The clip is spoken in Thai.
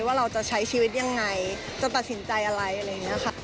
ว่าเราจะใช้ชีวิตยังไงจะตัดสินใจอะไรอะไรอย่างนี้ค่ะ